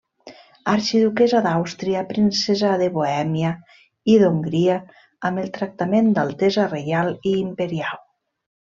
Arxiduquessa d'Àustria, princesa de Bohèmia i d'Hongria amb el tractament d'altesa reial i imperial.